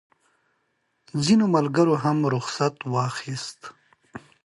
ځینو ملګرو هم رخصت واخیست.